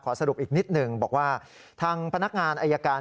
สรุปอีกนิดหนึ่งบอกว่าทางพนักงานอายการ